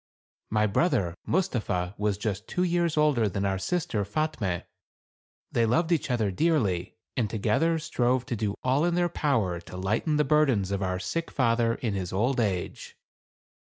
My brother Mustapha was just two years older than our sister Fatme. They loved each other dearly, and together strove to do all in their power to lighten the burdens of our sick father in his old age.